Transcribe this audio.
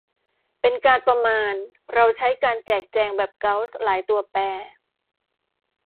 เป็นการประมาณเราใช้การแจกแจงแบบเกาส์หลายตัวแปร